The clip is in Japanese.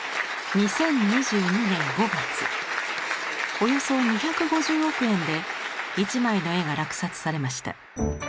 ２０２２年５月およそ２５０億円で一枚の絵が落札されました。